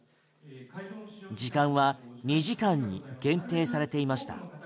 時間は２時間に限定されていました。